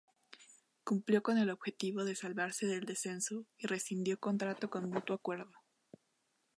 Cumplió con el objetivo de salvarse del descenso y rescindió contrato con mutuo acuerdo.